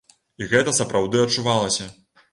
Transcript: І гэта сапраўды адчувалася.